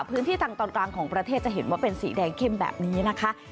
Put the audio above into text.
พื้นที่ทางตอนกลางของประเทศจะเห็นว่าเป็นสีแดงเข้มแบบนี้นะคะ